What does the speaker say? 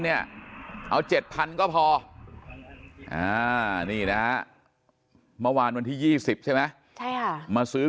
เนี่ยเอา๗๐๐ก็พอนี่นะเมื่อวานวันที่๒๐ใช่ไหมมาซื้อ